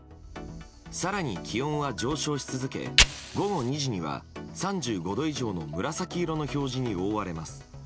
更に気温は上昇し続け午後２時には３５度以上の紫色の表示に覆われます。